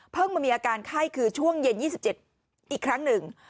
เพิ่งไม่มีอาการไข้คือช่วงเย็น๒๐มกราคมอีกครั้งหนึ่ง